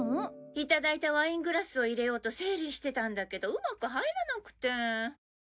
いただいたワイングラスを入れようと整理してたんだけどうまく入らなくて。